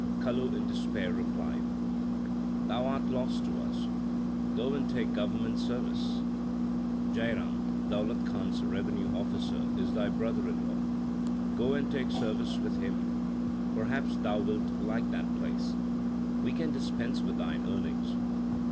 Kalu in despair replied, Thou art lost to us ; go and take government service. Jai Ram, Daulat Khan s revenue officer, is thy brother in law ; go and take service with him ; perhaps thou wilt like that place ; we can dispense with thine earnings.